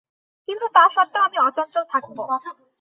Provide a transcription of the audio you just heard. কিন্তু তা সত্ত্বেও আমি অচঞ্চল থাকব।